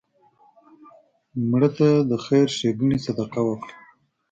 مړه ته د خیر ښیګڼې صدقه وکړه